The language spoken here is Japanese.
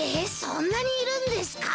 そんなにいるんですか？